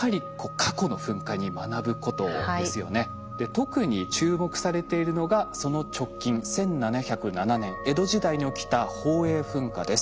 特に注目されているのがその直近１７０７年江戸時代に起きた宝永噴火です。